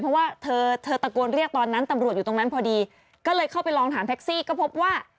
เพราะว่าเธอเธอตะโกนเรียกตอนนั้นตำรวจอยู่ตรงนั้นพอดีก็เลยเข้าไปลองถามแท็กซี่ก็พบว่า